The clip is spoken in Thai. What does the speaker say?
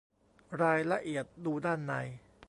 รายละเอียดดูด้านใน